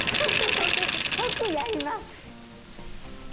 即やります！